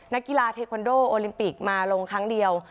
นักกีฬาเทคอนโดโอลิมปิกมาลงครั้งเดียว